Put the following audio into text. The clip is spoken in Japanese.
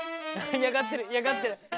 嫌がってる嫌がってる。